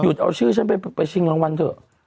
เอาชื่อฉันไปชิงรางวัลเถอะ